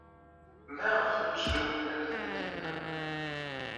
Maɣef ur tt-tulil ara Taninna?